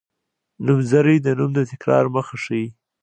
نومځری د نوم د تکرار مخه ښيي.